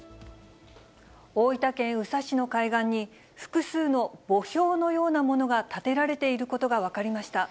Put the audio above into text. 大分県宇佐市の海岸に、複数の墓標のようなものが建てられていることが分かりました。